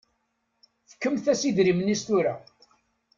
Fkemt-as idrimen-is tura.